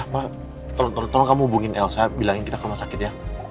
mak tolong tolong kamu hubungin elsa bilangin kita ke rumah sakit ya